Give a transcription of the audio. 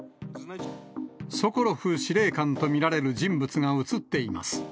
ソコロフ司令官と見られる人物が写っています。